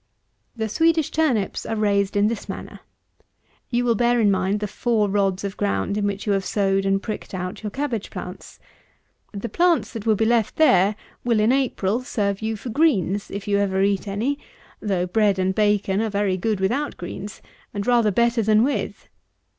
125. The Swedish turnips are raised in this manner. You will bear in mind the four rods of ground in which you have sowed and pricked out your cabbage plants. The plants that will be left there will, in April, serve you for greens, if you ever eat any, though bread and bacon are very good without greens, and rather better than with.